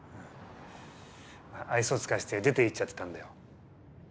愛想尽かして出ていっちゃってたんだよ。